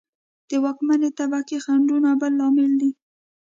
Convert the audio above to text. د واکمنې طبقې خنډونه بل لامل دی